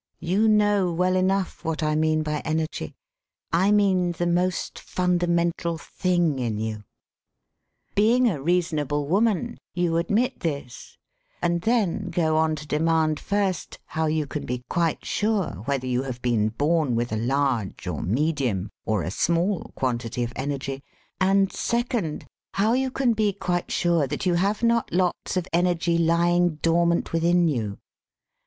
You know well enough what I mean by energy. I mean the most fundamental thing in you, "Being a reasonable woman, you admit this — and then go on to demand, first, how you can bQ quite sure whether you have been bom with a large or medium or a small quantity of energy, and, second, how you can be quite sure that you have hot lota of energy lying dormant within you.